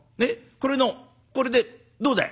これのこれでどうだい？」。